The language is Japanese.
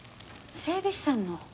整備士さんの。